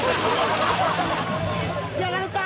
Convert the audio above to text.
やられた！